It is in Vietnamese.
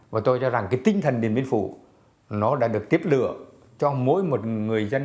và tôi cho rằng cái tinh thần điện biên phủ nó đã được tiếp lựa cho mỗi một người dân